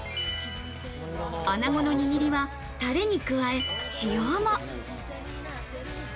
アナゴの握りはタレに加え、塩も。